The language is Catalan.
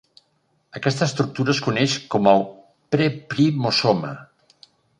Aquesta estructura es coneix com el preprimosoma.